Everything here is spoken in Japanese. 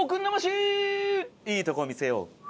いいとこを見せよう。